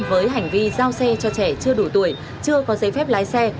với hành vi giao xe cho trẻ chưa đủ tuổi chưa có giấy phép lái xe